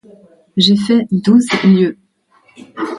J’ai fait douze lieues.